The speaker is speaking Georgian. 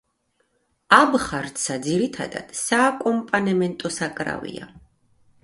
აბხარცა ძირითადად სააკომპანემენტო საკრავია.